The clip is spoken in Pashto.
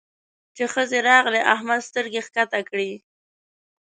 چې ښځې راغلې؛ احمد سترګې کښته کړې.